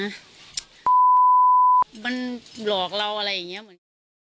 มันหลอกเราอะไรอย่างเงี้ย